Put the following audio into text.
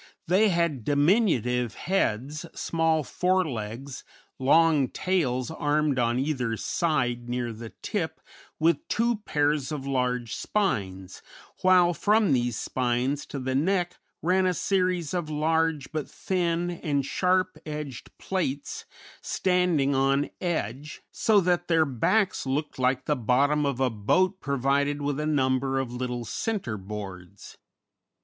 They had diminutive heads, small fore legs, long tails armed on either side near the tip, with two pairs of large spines, while from these spines to the neck ran series of large, but thin, and sharp edged plates standing on edge, so that their backs looked like the bottom of a boat provided with a number of little centreboards.